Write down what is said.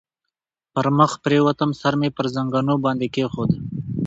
پر مخ پرېوتم، سر مې پر زنګنو باندې کېښود.